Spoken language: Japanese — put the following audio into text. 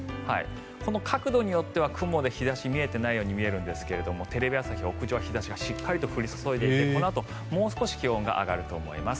この角度によっては雲で日差し見えていないように見えるんですがテレビ朝日屋上は日差しがしっかり降り注いでいてこのあと、もう少し気温が上がると思います。